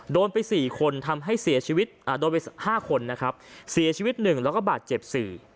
โดนไปสี่คนทำให้เสียชีวิตอ่าโดนไปห้าคนนะครับเสียชีวิตหนึ่งแล้วก็บาดเจ็บสี่